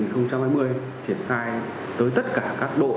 triển khai tới tất cả các đơn vị